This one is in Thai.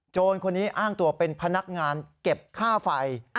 คนนี้อ้างตัวเป็นพนักงานเก็บค่าไฟ